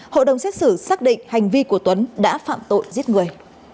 hội đồng xét xử xác định hành vi của tuấn đã phạm tội giết người